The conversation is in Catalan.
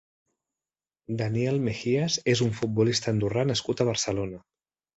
Daniel Mejías és un futbolista andorrà nascut a Barcelona.